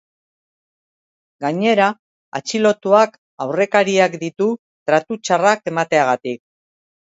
Gainera, atxilotuak aurrekariak ditu tratu txarrak emateagatik.